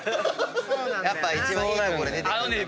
やっぱ一番いいとこで出てくるんだろうね。